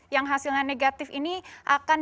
yang hasilnya negatif ini akan